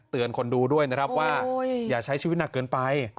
เตือนคนดูด้วยนะครับว่าอย่าใช้ชีวิตหนักเกินไป